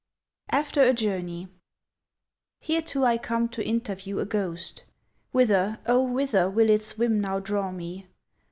AFTER A JOURNEY HERETO I come to interview a ghost; Whither, O whither will its whim now draw me?